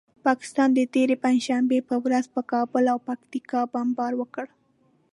پاکستان د تېرې پنجشنبې په ورځ پر کابل او پکتیکا بمبار وکړ.